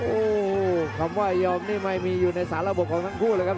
โอ้โหคำว่ายอมนี่ไม่มีอยู่ในสารระบบของทั้งคู่เลยครับ